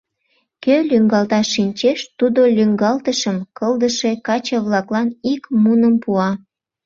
Кӧ лӱҥгалташ шинчеш, тудо лӱҥгалтышым кылдыше каче-влаклан ик муным пуа.